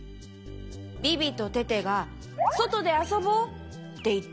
ビビとテテが「そとであそぼう！」っていっている。